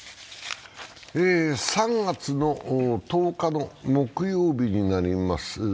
３月の１０日の木曜日になります。